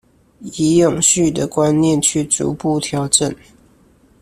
以永續的觀念去逐步調整